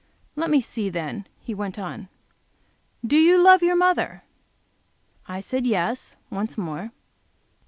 "Let me see, then," he went on. "Do you love your mother?" I said "Yes," once more.